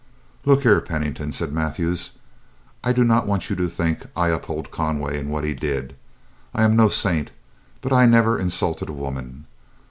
"Look here, Pennington," said Mathews, "I do not want you to think I uphold Conway in what he did. I am no saint, but I never insulted a woman.